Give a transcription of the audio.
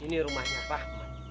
ini rumahnya pak